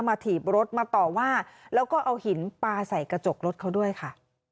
ถีบรถมาต่อว่าแล้วก็เอาหินปลาใส่กระจกรถเขาด้วยค่ะ